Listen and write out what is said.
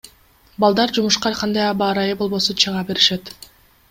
Балдар жумушка кандай аба ырайы болбосун чыга беришет.